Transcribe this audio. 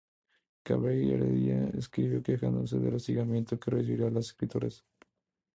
Cabrera y Heredia escribió quejándose del hostigamiento que recibían las escritoras.